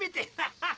ハハハ！